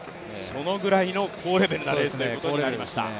そのぐらいの高レベルなレースになりました。